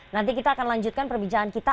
nanti kita akan lanjutkan perbincangan kita